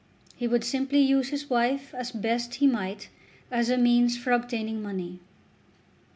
He would simply use his wife as best he might as a means for obtaining money.